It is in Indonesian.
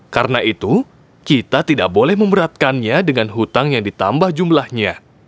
karena itu kita tidak boleh memberatkannya dengan hutang yang ditambah jumlahnya